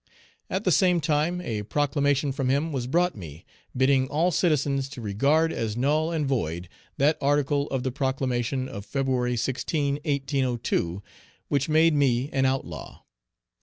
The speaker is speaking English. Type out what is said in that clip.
At the same time a proclamation from him was brought me, bidding all citizens to regard as null and void that article of the proclamation of Feb. 16, 1802, which made me an outlaw.